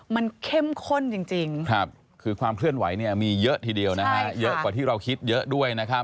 มันเข้มข้นจริงคือความเคลื่อนไหวเนี่ยมีเยอะทีเดียวนะฮะเยอะกว่าที่เราคิดเยอะด้วยนะครับ